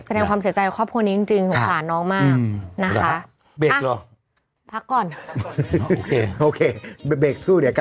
แสดงความเสียใจข้อควรนี้จริงสงสารน้องมากนะคะ